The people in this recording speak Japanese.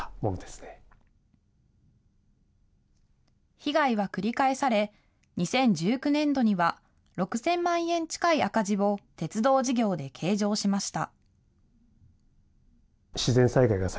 被害は繰り返され、２０１９年度には６０００万円近い赤字を鉄道事業で計上しました。